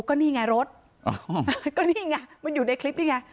ก็นี่ไงรถก็นี่ไงมันอยู่ในคลิปนี่ไง